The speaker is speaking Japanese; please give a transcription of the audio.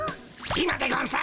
今でゴンス。